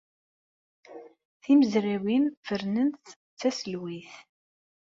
Timezrawin fernent-tt d taselwayt.